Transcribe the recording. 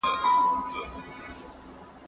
ټولنیز واقیعت د ټولنې د ثبات برخه ده.